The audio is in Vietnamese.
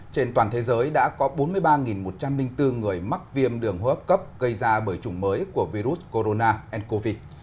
trên toàn thế giới đã có bốn mươi ba một trăm linh bốn người mắc viêm đường hốp cấp gây ra bởi chủng mới của virus corona and covid